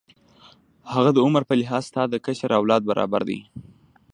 هغه د عمر په لحاظ ستا د کشر اولاد برابر دی.